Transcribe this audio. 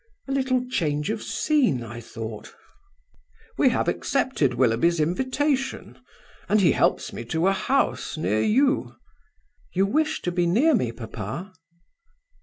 "A little change of scene, I thought ..." "We have accepted Willoughby's invitation. And he helps me to a house near you." "You wish to be near me, papa?"